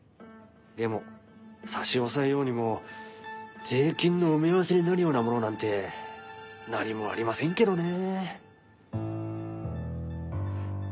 でも差し押さえようにも税金の埋め合わせになるようなものなんて何もありませんけどね。